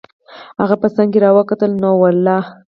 هغه په څنګ را وکتل: نه والله.